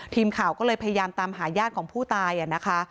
ทีมข่าวก็เลยพยายามตามหาญาติของผู้ตายนะคะ